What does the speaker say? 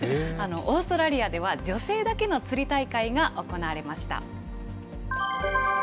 オーストラリアでは、女性だけの釣り大会が行われました。